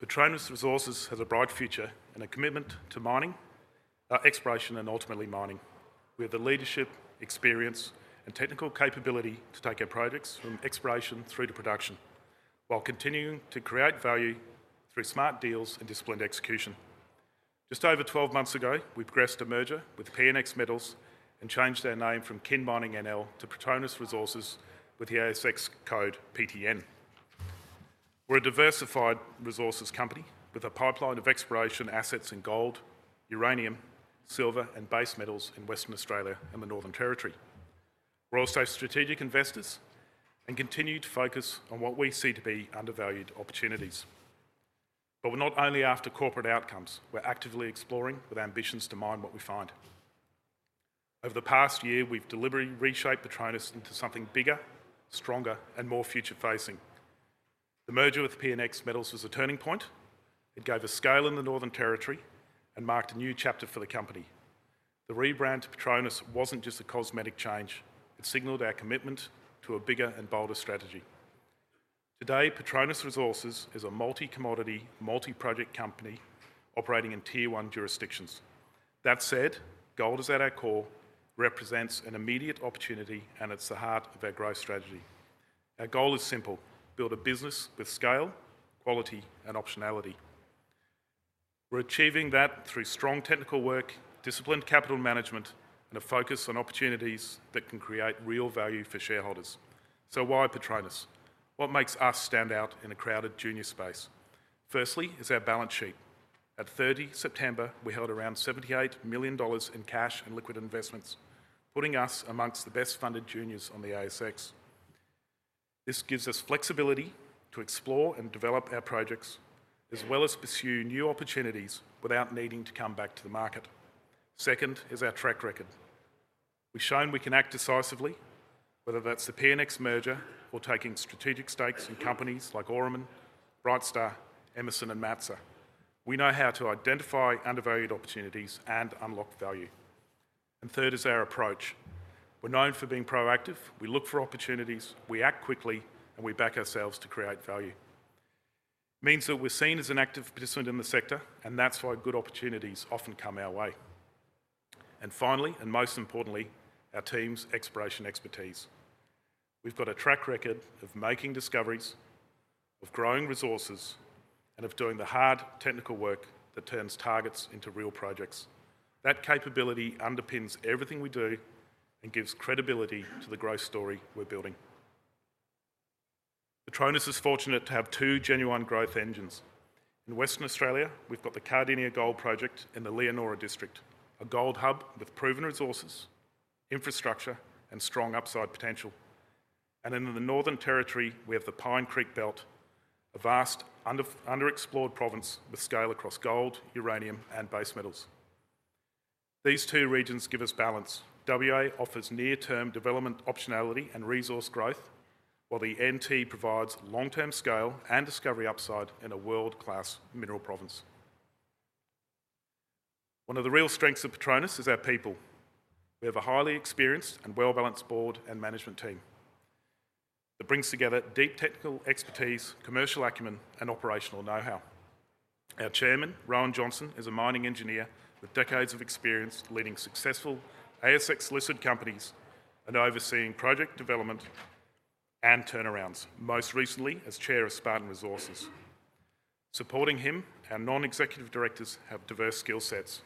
Patronus Resources has a broad future and a commitment to mining, exploration, and ultimately mining. We have the leadership, experience, and technical capability to take our projects from exploration through to production while continuing to create value through smart deals and disciplined execution. Just over 12 months ago, we progressed a merger with PNX Metals and changed our name from Kin Mining Nl to Patronus Resources with the ASX code PTN. We're a diversified resources company with a pipeline of exploration assets in gold, uranium, silver, and base metals in Western Australia and the Northern Territory. We're also strategic investors and continue to focus on what we see to be undervalued opportunities. We are not only after corporate outcomes; we're actively exploring with ambitions to mine what we find. Over the past year, we've deliberately reshaped Patronus into something bigger, stronger, and more future-facing. The merger with PNX Metals was a turning point. It gave us scale in the Northern Territory and marked a new chapter for the company. The rebrand to Patronus was not just a cosmetic change; it signaled our commitment to a bigger and bolder strategy. Today, Patronus Resources is a multi-commodity, multi-project company operating in Tier 1 jurisdictions. That said, gold is at our core, represents an immediate opportunity, and it is the heart of our growth strategy. Our goal is simple: build a business with scale, quality, and optionality. We are achieving that through strong technical work, disciplined capital management, and a focus on opportunities that can create real value for shareholders. Why Patronus? What makes us stand out in a crowded junior space? Firstly, it is our balance sheet. At 30 September, we held around AUD 78 million in cash and liquid investments, putting us amongst the best-funded juniors on the ASX. This gives us flexibility to explore and develop our projects as well as pursue new opportunities without needing to come back to the market. Second is our track record. We've shown we can act decisively, whether that's the PNX merger or taking strategic stakes in companies like Aurumin, Brightstar, Emerson, and Matsa. We know how to identify undervalued opportunities and unlock value. Third is our approach. We're known for being proactive. We look for opportunities, we act quickly, and we back ourselves to create value. It means that we're seen as an active participant in the sector, and that's why good opportunities often come our way. Finally, and most importantly, our team's exploration expertise. We've got a track record of making discoveries, of growing resources, and of doing the hard technical work that turns targets into real projects. That capability underpins everything we do and gives credibility to the growth story we are building. Patronus is fortunate to have two genuine growth engines. In Western Australia, we have the Cardinia Gold Project in the Leonora District, a gold hub with proven resources, infrastructure, and strong upside potential. In the Northern Territory, we have the Pine Creek Belt, a vast underexplored province with scale across gold, uranium, and base metals. These two regions give us balance. WA offers near-term development optionality and resource growth, while the NT provides long-term scale and discovery upside in a world-class mineral province. One of the real strengths of Patronus is our people. We have a highly experienced and well-balanced board and management team that brings together deep technical expertise, commercial acumen, and operational know-how. Our Chairman, Rowan Johnston, is a mining engineer with decades of experience leading successful ASX-listed companies and overseeing project development and turnarounds, most recently as Chair of Spartan Resources. Supporting him, our Non-Executive Directors have diverse skill sets,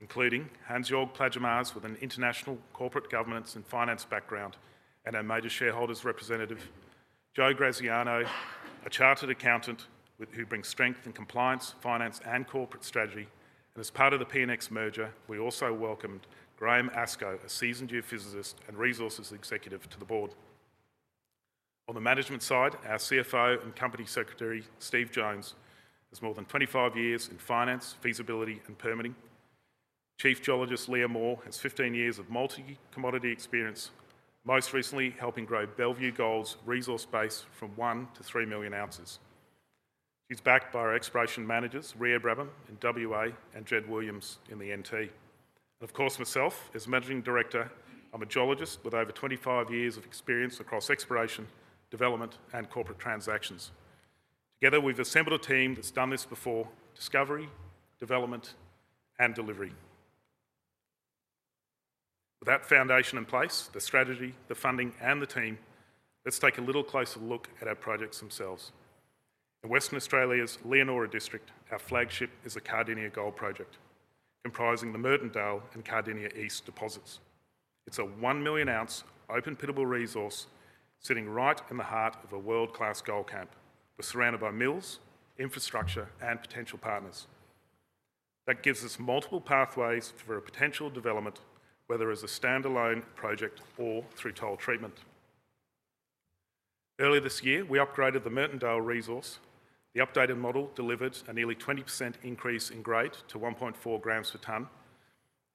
including Hansjoerg Plaggemars with an international corporate governance and finance background and our major shareholders' representative, Joe Graziano, a chartered accountant who brings strength in compliance, finance, and corporate strategy. As part of the PNX merger, we also welcomed Graham Ascough, a seasoned geophysicist and resources executive to the board. On the management side, our CFO and Company Secretary, Stephen Jones, has more than 25 years in finance, feasibility, and permitting. Chief Geologist Leah Moore has 15 years of multi-commodity experience, most recently helping grow Bellevue Gold's resource base from one-three million oz. She is backed by our Exploration Managers, Ria Brabham in Western Australia and Jed Williams in the Northern Territory. Of course, myself as Managing Director, I'm a geologist with over 25 years of experience across exploration, development, and corporate transactions. Together, we've assembled a team that's done this before: discovery, development, and delivery. With that foundation in place, the strategy, the funding, and the team, let's take a little closer look at our projects themselves. In Western Australia's Leonora District, our flagship is the Cardinia Gold Project, comprising the Mertondale and Cardinia East deposits. It's a one-million-ounce open pittable resource sitting right in the heart of a world-class gold camp. We're surrounded by mills, infrastructure, and potential partners. That gives us multiple pathways for a potential development, whether as a standalone project or through toll treatment. Earlier this year, we upgraded the Mertondale resource. The updated model delivered a nearly 20% increase in grade to 1.4 grams per ton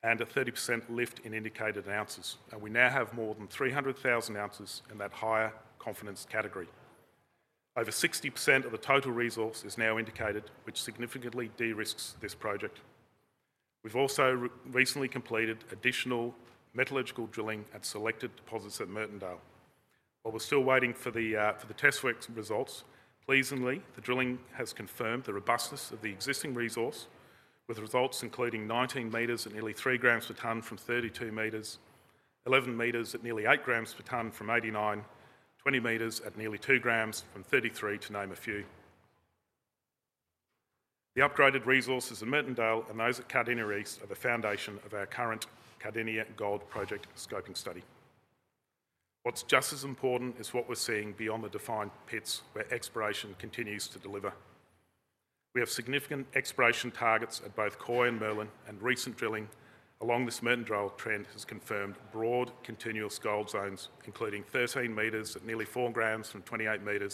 and a 30% lift in indicated ounces. We now have more than 300,000 oz in that higher confidence category. Over 60% of the total resource is now indicated, which significantly de-risks this project. We have also recently completed additional metallurgical drilling at selected deposits at Mertondale. While we are still waiting for the test results, pleasingly, the drilling has confirmed the robustness of the existing resource, with results including 19 m at nearly 3 g per ton from 32 m, 11 m at nearly 8 g per ton from 89, 20 m at nearly 2 g from 33, to name a few. The upgraded resources in Mertondale and those at Cardinia East are the foundation of our current Cardinia Gold Project scoping study. What is just as important is what we are seeing beyond the defined pits where exploration continues to deliver. We have significant exploration targets at both Koi and Merlin, and recent drilling along this Mertondale trend has confirmed broad continuous gold zones, including 13 m at nearly 4 g from 28 m,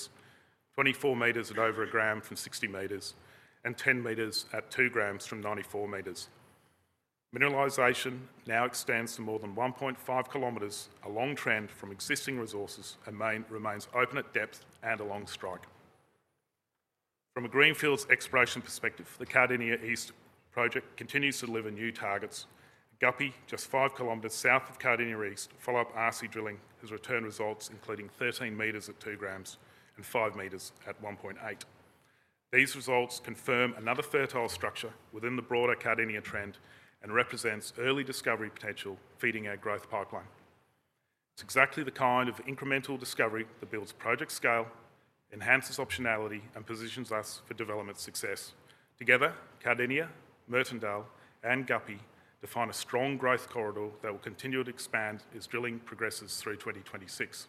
24 m at over 1g from 60 m, and 10 m at 2 g from 94 m. Mineralisation now extends to more than 1.5 km along trend from existing resources and remains open at depth and along strike. From a greenfields exploration perspective, the Cardinia East Project continues to deliver new targets. Guppy, just 5 km south of Cardinia East, followed up RC drilling has returned results including 13 m at 2 g and 5 m at 1.8. These results confirm another fertile structure within the broader Cardinia trend and represents early discovery potential feeding our growth pipeline. It's exactly the kind of incremental discovery that builds project scale, enhances optionality, and positions us for development success. Together, Cardinia, Mertondale, and Guppy define a strong growth corridor that will continue to expand as drilling progresses through 2026.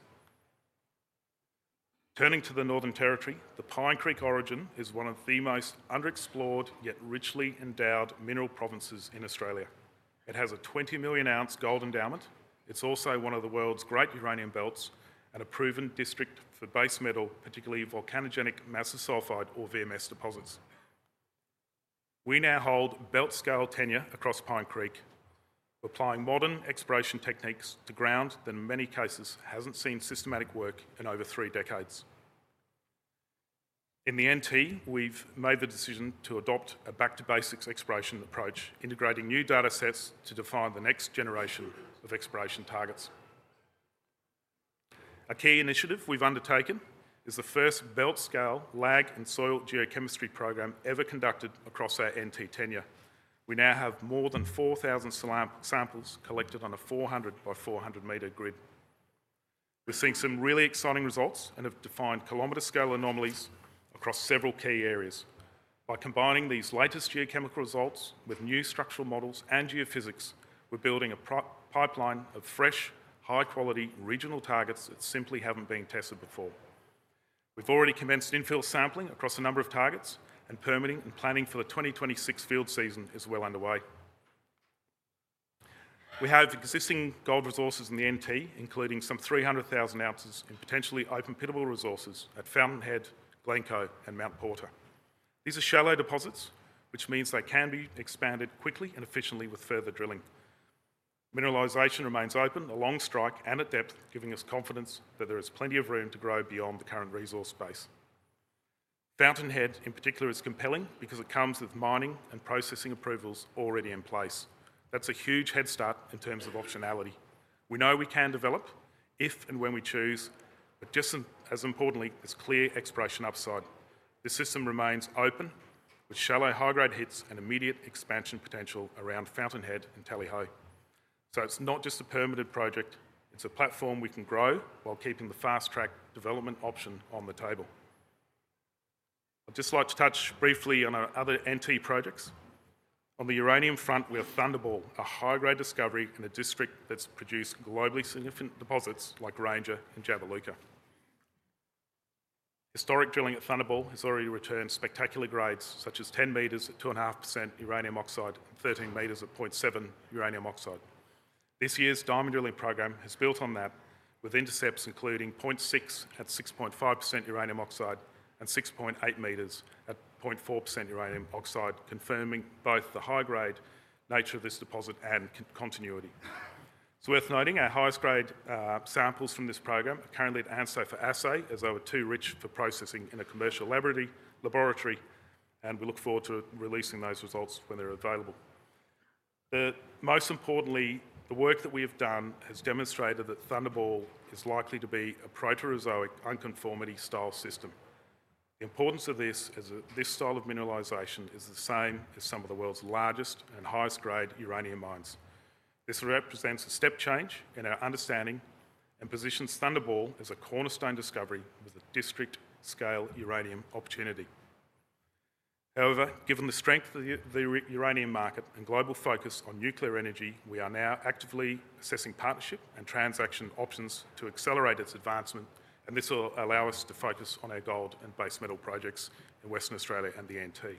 Turning to the Northern Territory, the Pine Creek Orogen is one of the most underexplored yet richly endowed mineral provinces in Australia. It has a 20 million oz gold endowment. It's also one of the world's great uranium belts and a proven district for base metals, particularly volcanogenic massive sulfide or VMS deposits. We now hold belt-scale tenure across Pine Creek, applying modern exploration techniques to ground that in many cases hasn't seen systematic work in over three decades. In the NT, we've made the decision to adopt a back-to-basics exploration approach, integrating new data sets to define the next generation of exploration targets. A key initiative we've undertaken is the first belt-scale lag and soil geochemistry program ever conducted across our NT tenure. We now have more than 4,000 samples collected on a 400-by-400-m grid. We're seeing some really exciting results and have defined kilometre-scale anomalies across several key areas. By combining these latest geochemical results with new structural models and geophysics, we're building a pipeline of fresh, high-quality regional targets that simply haven't been tested before. We've already commenced infill sampling across a number of targets, and permitting and planning for the 2026 field season is well underway. We have existing gold resources in the NT, including some 300,000 oz in potentially open pittable resources at Fountain Head, Glencoe, and Mount Porter. These are shallow deposits, which means they can be expanded quickly and efficiently with further drilling. Mineralisation remains open along strike and at depth, giving us confidence that there is plenty of room to grow beyond the current resource base. Fountain Head, in particular, is compelling because it comes with mining and processing approvals already in place. That is a huge head start in terms of optionality. We know we can develop if and when we choose, but just as importantly as clear exploration upside. The system remains open with shallow high-grade hits and immediate expansion potential around Fountainhead and Tally Ho. It is not just a permitted project. It is a platform we can grow while keeping the fast-track development option on the table. I would just like to touch briefly on our other NT projects. On the uranium front, we have Thunderball, a high-grade discovery in a district that has produced globally significant deposits like Ranger and Jabiluka. Historic drilling at Thunderball has already returned spectacular grades, such as 10 m at 2.5% uranium oxide and 13 m at 0.7% uranium oxide. This year's diamond drilling program has built on that with intercepts including 0.6 m at 6.5% uranium oxide and 6.8 m at 0.4% uranium oxide, confirming both the high-grade nature of this deposit and continuity. It's worth noting our highest-grade samples from this program are currently at ANSTO for assay, as they were too rich for processing in a commercial laboratory, and we look forward to releasing those results when they're available. Most importantly, the work that we have done has demonstrated that Thunderball is likely to be a proterozoic unconformity style system. The importance of this is that this style of mineralization is the same as some of the world's largest and highest-grade uranium mines. This represents a step change in our understanding and positions Thunderball as a cornerstone discovery with a district-scale uranium opportunity. However, given the strength of the uranium market and global focus on nuclear energy, we are now actively assessing partnership and transaction options to accelerate its advancement, and this will allow us to focus on our gold and base metal projects in Western Australia and the NT.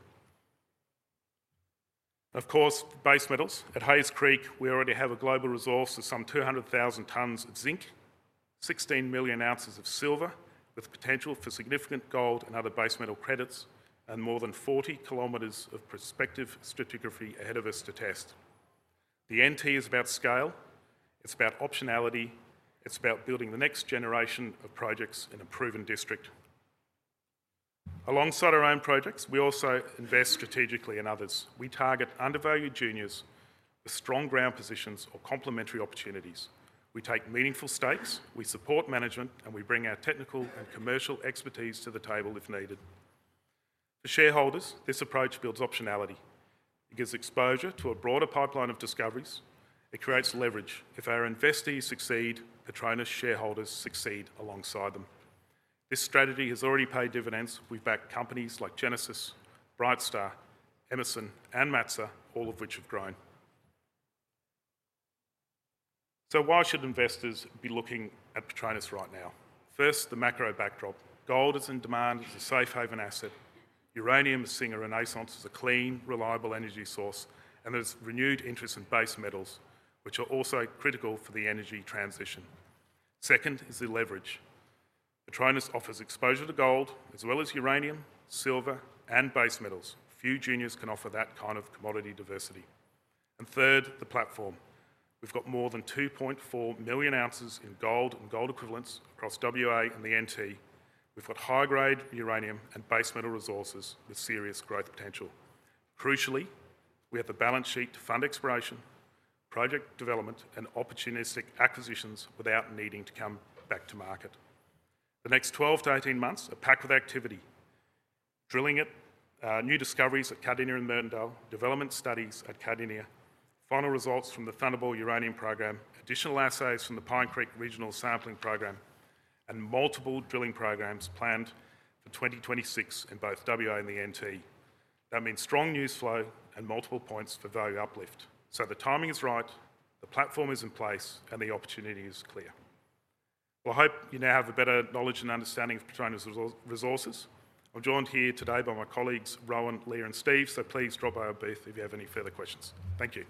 Of course, base metals at Hayes Creek, we already have a global resource of some 200,000 ton of zinc, 16 million oz of silver with potential for significant gold and other base metal credits, and more than 40 km of prospective stratigraphy ahead of us to test. The Northern Territory is about scale. It's about optionality. It's about building the next generation of projects in a proven district. Alongside our own projects, we also invest strategically in others. We target undervalued juniors with strong ground positions or complementary opportunities. We take meaningful stakes. We support management, and we bring our technical and commercial expertise to the table if needed. For shareholders, this approach builds optionality. It gives exposure to a broader pipeline of discoveries. It creates leverage. If our investees succeed, Patronus shareholders succeed alongside them. This strategy has already paid dividends. We back companies like Genesis, Brightstar, Emerson, and Matsa, all of which have grown. Why should investors be looking at Patronus right now? First, the macro backdrop. Gold is in demand as a safe haven asset. Uranium is seeing a renaissance as a clean, reliable energy source, and there is renewed interest in base metals, which are also critical for the energy transition. Second is the leverage. Patronus offers exposure to gold as well as uranium, silver, and base metals. Few juniors can offer that kind of commodity diversity. Third, the platform. We have more than 2.4 million oz in gold and gold equivalents across WA and the NT. We have high-grade uranium and base metal resources with serious growth potential. Crucially, we have the balance sheet to fund exploration, project development, and opportunistic acquisitions without needing to come back to market. The next 12-18 months are packed with activity. Drilling at new discoveries at Cardinia and Mertondale, development studies at Cardinia, final results from the Thunderball uranium program, additional assays from the Pine Creek regional sampling program, and multiple drilling programs planned for 2026 in both WA and the NT. That means strong news flow and multiple points for value uplift. The timing is right, the platform is in place, and the opportunity is clear. I hope you now have a better knowledge and understanding of Patronus Resources. I'm joined here today by my colleagues, Rowan, Leah, and Steph, so please drop by our booth if you have any further questions. Thank you.